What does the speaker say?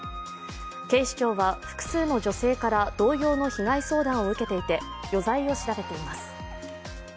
警視庁は複数の女性から同様の被害相談を受けていて余財を調べています。